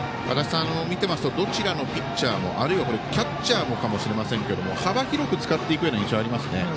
足達さん、見ていますとどちらのピッチャーもあるいはキャッチャーもかもしれませんけれども幅広く使っていくような印象がありますね。